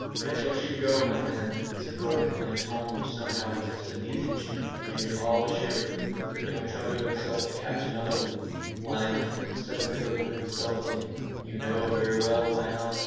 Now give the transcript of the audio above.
"Let your sheep go, my man," said Gordon, in a tone which somehow arrested the attention of nearly all the shearers, "but don't trouble yourself to catch another!" "Why not?" said the delinquent, sulkily. "You know very well why not!"